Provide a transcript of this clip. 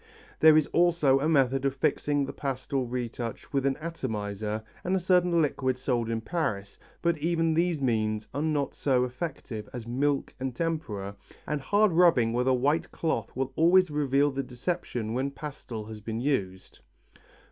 There is also a method of fixing the pastel retouch with an atomizer and a certain liquid sold in Paris, but even these means are not so effective as milk and tempera, and hard rubbing with a white cloth will always reveal the deception when pastel has been used.